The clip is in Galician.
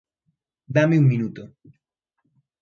Dáme un minuto.